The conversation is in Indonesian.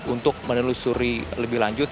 untuk menelusuri lebih lanjut